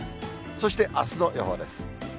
そしてあすの予報です。